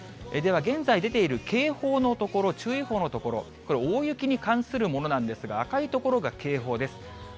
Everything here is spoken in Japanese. では現在出ている警報の所、注意報の所、これ、大雪に関するものなんですが、赤い所が警報です。